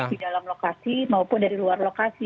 di dalam lokasi maupun dari luar lokasi